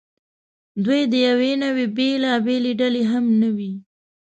دوی د یوې نوعې بېلابېلې ډلې هم نه وې.